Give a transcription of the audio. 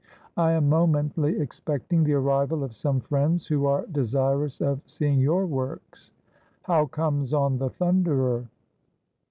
I am momently expecting the arrival of some friends who are desirous of seeing your works. How comes on ' The Thunderer